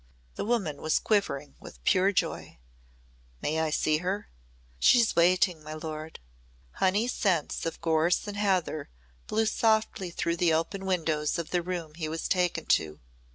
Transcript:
The woman was quivering with pure joy. "May I see her?" "She's waiting, my lord." Honey scents of gorse and heather blew softly through the open windows of the room he was taken to.